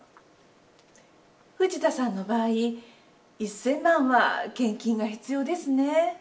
藤田さんの場合、１０００万は献金が必要ですね。